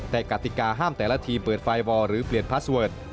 แต่กติกาห้ามแต่ละทีมเปิดไฟวอลหรือเปลี่ยนพาสเวิร์ด